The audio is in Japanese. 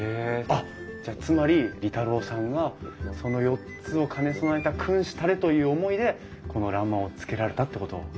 あっじゃあつまり利太郎さんはその４つを兼ね備えた君子たれという思いでこの欄間をつけられたってこと。